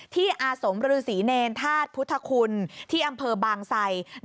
อาสมฤษีเนรธาตุพุทธคุณที่อำเภอบางไซ